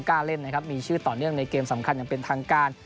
เล่นนะครับมีชื่อต่อเนื่องในเกมสำคัญอย่างเป็นทางการ